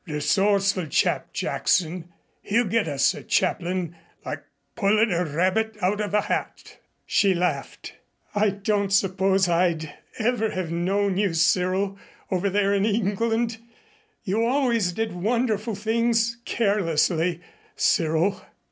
Resourceful chap, Jackson. He'll get us a chaplain like pullin' a rabbit out of a hat." She laughed. "I don't suppose I'd ever have known you, Cyril, over there in England. You always did wonderful things carelessly, Cyril."